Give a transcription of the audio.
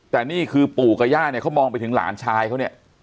แต่นี่คือปู่กับย่าเนี่ยเขามองไปถึงหลานชายเขาเนี่ย